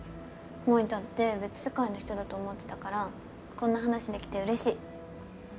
萌たゃって別世界の人だと思ってたからこんな話できてうれしい。